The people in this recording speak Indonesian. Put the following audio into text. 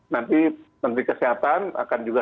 nanti menteri kesehatan akan juga